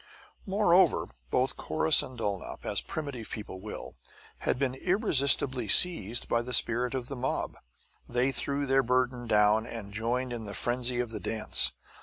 Moreover, both Corrus and Dulnop, as primitive people will, had been irresistibly seized by the spirit of the mob. They threw their burden down and joined in the frenzy of the dance.